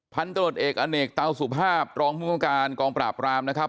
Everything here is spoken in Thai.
พันธุรกิจเอกอเนกเตาสุภาพรองคุมการกองปราบรามนะครับ